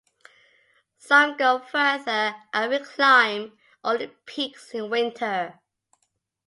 Some go further and re-climb all the peaks in winter.